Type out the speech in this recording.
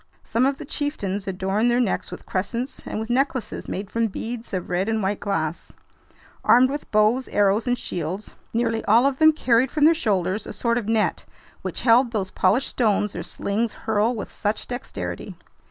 Some of the chieftains adorned their necks with crescents and with necklaces made from beads of red and white glass. Armed with bows, arrows, and shields, nearly all of them carried from their shoulders a sort of net, which held those polished stones their slings hurl with such dexterity.